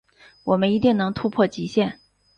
我们一定能突破极限